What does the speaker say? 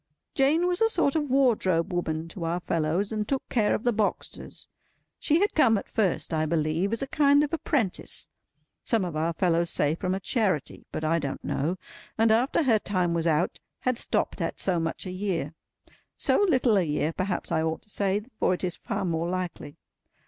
Jane was a sort of wardrobe woman to our fellows, and took care of the boxes. She had come at first, I believe, as a kind of apprentice—some of our fellows say from a Charity, but I don't know—and after her time was out, had stopped at so much a year. So little a year, perhaps I ought to say, for it is far more likely.